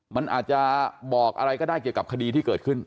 มันอาจจะบอกอะไรก็ได้เกี่ยวกับคดีที่เกิดขึ้น